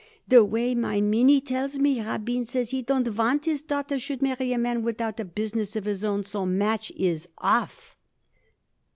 The way my Minnie tells me, Rabin says he don't want his daughter should marry a man without a business of his own, so the match is off."